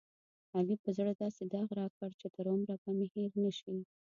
علي په زړه داسې داغ راکړ، چې تر عمره به مې هېر نشي.